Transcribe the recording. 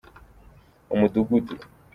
umudugudu.